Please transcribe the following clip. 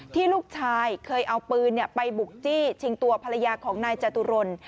ที่ลูกชายเคยเอาปืนไปบุกจี้ชิงตัวภรรยาของนายจตุรน